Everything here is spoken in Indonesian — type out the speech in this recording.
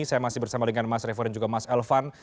saya masih bersama dengan mas revo dan juga mas elvan